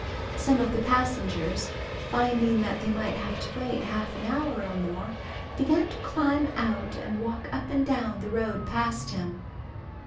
Some of the passengers finding that they might have to wait half an hour or more began to climb out and walk up and down the road past him.